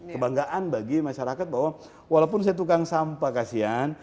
kebanggaan bagi masyarakat bahwa walaupun saya tukang sampah kasihan